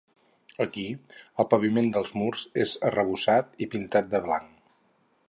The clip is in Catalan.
Aquí, el paviment dels murs és arrebossat i pintat de blanc.